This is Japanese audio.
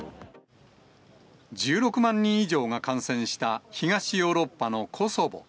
１６万人以上が感染した東ヨーロッパのコソボ。